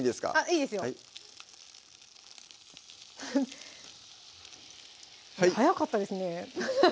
いいですよ早かったですね